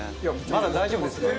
まだ大丈夫ですか？